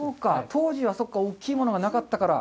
当時は大きいものがなかったから。